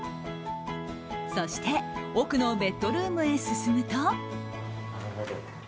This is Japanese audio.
そして奥のベッドルームへ進むと。